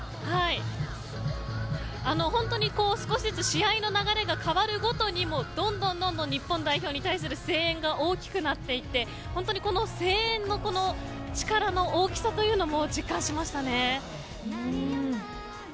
本当に、少しずつ試合の流れが変わるごとにどんどんどんどん日本代表に対する声援が大きくなってきて声援の力の大きさというのも実感しましたね。